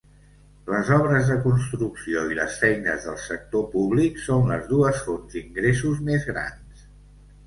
Les obres de construcció i les feines del sector públic són les dues fonts d'ingressos més grans.